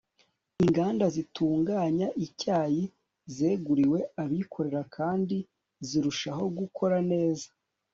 inganda zitunganya icyayi zeguriwe abikorera kandi zirushaho gukora neza